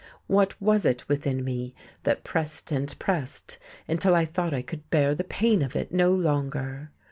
What was it within me that pressed and pressed until I thought I could bear the pain of it no longer?